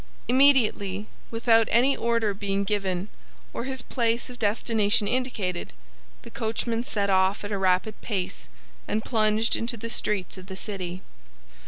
Immediately, without any order being given or his place of destination indicated, the coachman set off at a rapid pace, and plunged into the streets of the city.